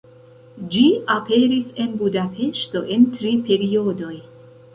Ĝi aperis en Budapeŝto en tri periodoj.